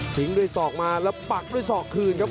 ทิ้งด้วยศอกมาแล้วปักด้วยศอกคืนครับ